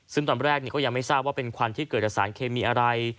ซึ่งตอนแรกก็ยังไม่ทราบว่าเป็นควันที่เกิดจากสารเคมีอะไร